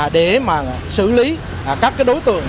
để xử lý các đối tượng